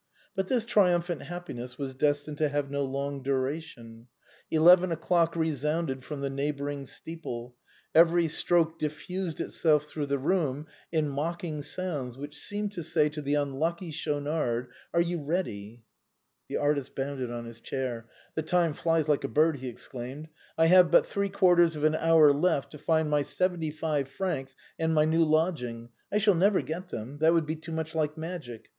But this triumphant happiness was des tined to have no long duration. Eleven o'clock resounded from the neighboring steeple. Every stroke diffused itself through the room in mocking sounds which seemed to say to the unlucky Schaunard, " Are you ready ?" The artist bounded on his chair. " The time flies like a bird !" he exclaimed. " I have but three quarters of an 6 THE BOHEMIANS OF THE LATIN QUARTER. hour left to find my seventy five francs and my new lodg ing. I shall never get them; that would be too much like magic.